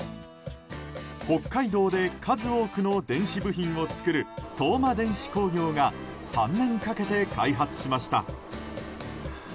北海道で数多くの電子部品を作るトウマ電子工業が３年かけて開発しました。